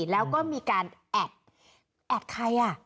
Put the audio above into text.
แล้วก็มีการแอดแอดใครอ่ะ